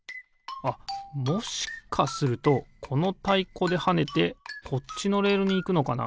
あっもしかするとこのたいこではねてこっちのレールにいくのかな？